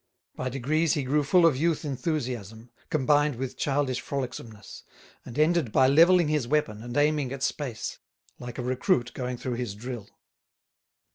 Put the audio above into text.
By degrees he grew full of youth enthusiasm, combined with childish frolicsomeness, and ended by levelling his weapon and aiming at space, like a recruit going through his drill.